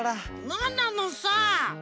なんなのさ？